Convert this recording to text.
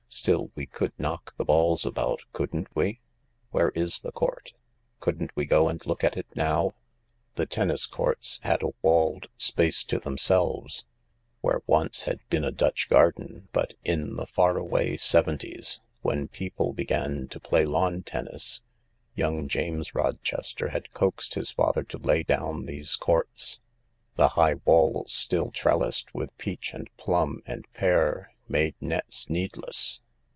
Still, we could knock the balls about, couldn't we ? Where is the court — couldn't we go and look at it now ?" The tennis courts had a walled space to themselves where once had been a Dutch garden, but in the far away seven ties, when people began to play lawn tennis, young James Rochester had coaxed his father to lay down these courts — the high walls still trellised with peach and plum and pear made nets needless.